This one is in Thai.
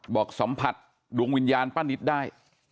บอกสัมผัสดวงวิญญาณป้านิตได้